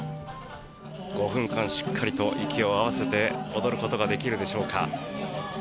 ５分間しっかりと息を合わせて踊ることができるでしょうか。